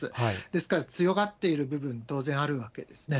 ですから強がっている部分、当然あるわけですね。